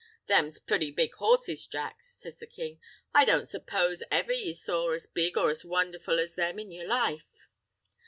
"Thems' purty big horses, Jack," says the king. "I don't suppose ever ye saw as big or as wondherful as them in yer life."